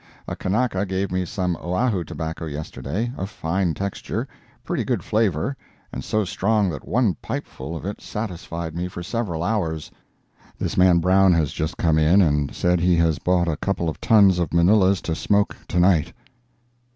A Kanaka gave me some Oahu tobacco yesterday, of fine texture, pretty good flavor, and so strong that one pipe full of it satisfied me for several hours. [This man Brown has just come in and says he has bought a couple of tons of Manilas to smoke to night.